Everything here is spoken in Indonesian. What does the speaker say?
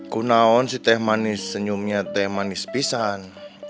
kenaon si teh manis senyumnya teh manis pisan